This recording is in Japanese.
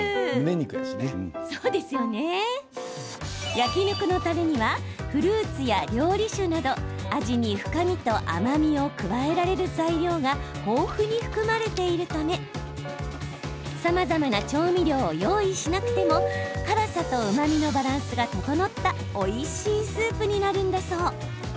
焼き肉のたれにはフルーツや料理酒など味に深みと甘みを加えられる材料が豊富に含まれているためさまざまな調味料を用意しなくても辛さとうまみのバランスが整ったおいしいスープになるんだそう。